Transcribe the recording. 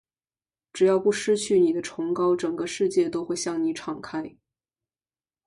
只要不失去你的崇高，整个世界都会向你敞开。